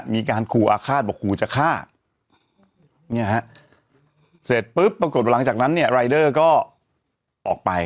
มีการขู่อาฆาตบอกขู่จะฆ่าเนี่ยฮะเสร็จปุ๊บปรากฏว่าหลังจากนั้นเนี่ยรายเดอร์ก็ออกไป